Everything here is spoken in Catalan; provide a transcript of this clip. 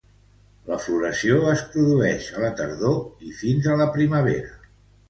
La floració es produïx a la tardor i fins a la primavera.